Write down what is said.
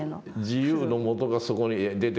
自由のもとがそこに出てくるわけですね。